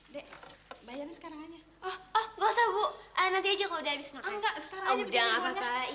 dek bayarnya sekarang aja